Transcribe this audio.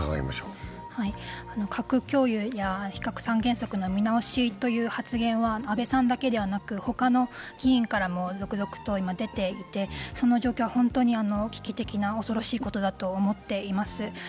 核共有や非核三原則の見直しという発言は安倍さんだけではなく他の議員からも続々と今、出ていて、その状況は本当に危機的な恐ろしいことだと思っています。